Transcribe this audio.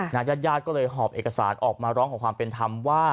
ญาติญาติก็เลยหอบเอกสารออกมาร้องขอความเป็นธรรมว่า